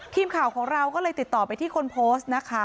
ทีมข่าวของเราก็เลยติดต่อไปที่คนโพสต์นะคะ